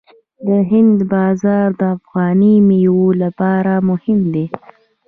د هند بازار د افغاني میوو لپاره مهم دی.